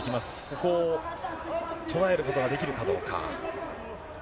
ここを捉えることができるかどうか。